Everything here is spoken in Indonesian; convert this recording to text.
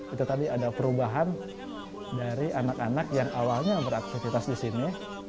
itu tadi ada perubahan dari anak anak yang awalnya beraktivitas di sini